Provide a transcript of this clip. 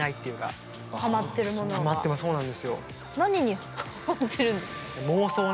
何にハマってるんですか？